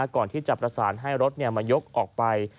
ก่อนที่จะประสานให้รถมายกออกไป